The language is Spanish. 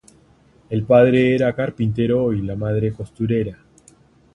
El padre era carpintero y la madre costurera.